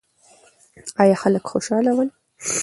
ایا خلک خوشاله ول؟